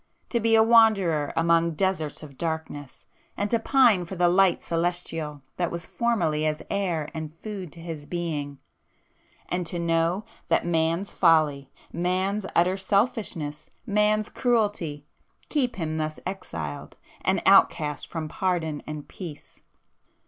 —to be a wanderer among deserts of darkness, and to pine for the light celestial that was formerly as air and food to his being,—and to know that Man's folly, Man's utter selfishness, Man's cruelty, keep him thus exiled, an outcast from pardon and peace!